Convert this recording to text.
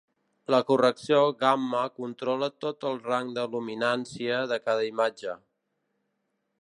La correcció gamma controla tot el rang de luminància de cada imatge.